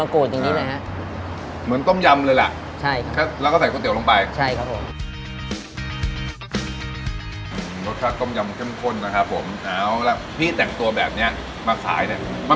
รสชาติต้มยำเข้มข้นนะครับผมเอาล่ะพี่แต่งตัวแบบนี้มาขายเนี่ย